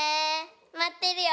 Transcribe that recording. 待ってるよ。